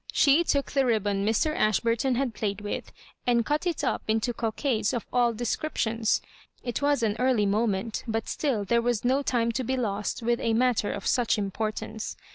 She took the ribbon Mr. Ashburton had played with, and cut it up into cockades of all descriptions. It was an early moment l>n^ still there was no time to be lost with a matter of such importance.